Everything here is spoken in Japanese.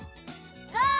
ゴー！